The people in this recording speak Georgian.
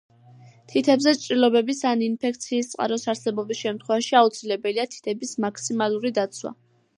თითებზე ჭრილობების ან ინფექციის წყაროს არსებობის შემთხვევაში აუცილებელია თითების მაქსიმალური დაცვა.